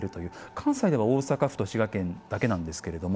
関西では大阪府と滋賀県だけなんですけれども。